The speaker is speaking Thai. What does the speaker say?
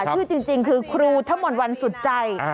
ชื่อจริงคือครูธมนต์วันสุดใจ